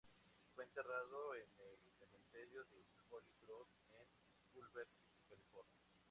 Fue enterrado en el Cementerio de Holy Cross, en Culver City, California.